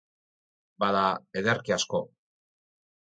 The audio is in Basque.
Bada, ederki asko.